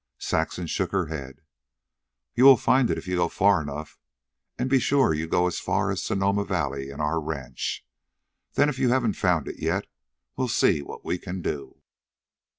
Saxon shook her head. "You will find it if you go far enough; and be sure you go as far as Sonoma Valley and our ranch. Then, if you haven't found it yet, we'll see what we can do."